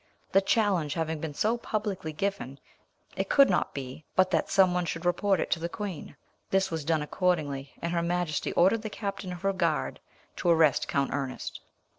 The challenge having been so publicly given, it could not be but that some one should report it to the queen. This was done accordingly, and her majesty ordered the captain of her guard to arrest Count Ernest.